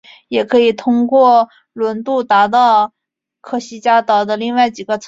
也可以通过轮渡到达科西嘉岛的另外几个城市。